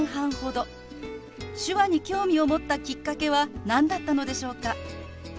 手話に興味を持ったきっかけは何だったのでしょうか？